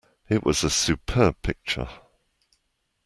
It was a superb picture.